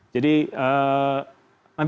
jadi nanti akan di share